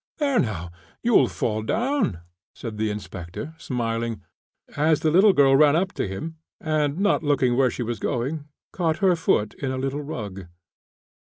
"There, now, you'll fall down," said the inspector, smiling, as the little girl ran up to him, and, not looking where she was going, caught her foot in a little rug.